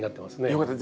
よかった。